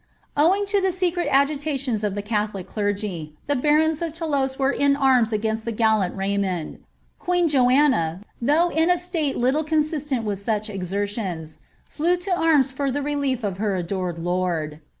Owing to the secret agitations of the catholic clerffy, the barons of Thonlouse were in arms against the gallant Rajrmond. Queen Joanna, though in a state little consistent with each exertions, flew to arms for the relief of her adored lord.